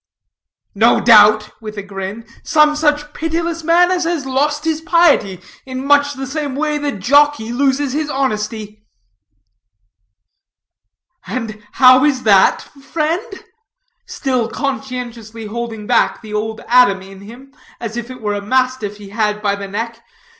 "No doubt" with a grin "some such pitiless man as has lost his piety in much the same way that the jockey loses his honesty." "And how is that, friend?" still conscientiously holding back the old Adam in him, as if it were a mastiff he had by the neck.